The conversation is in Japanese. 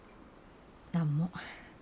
何も。